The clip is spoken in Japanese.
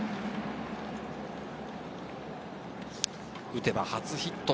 打てば初ヒット。